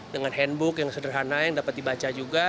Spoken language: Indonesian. dengan handbook yang sederhana yang dapat dibaca juga